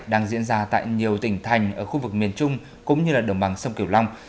đang diễn ra tại nhiều tỉnh thành ở khu vực miền trung cũng như là đồng bằng sông kiểu long